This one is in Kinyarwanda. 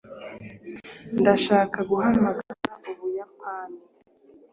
ndashaka guhamagara ubuyapani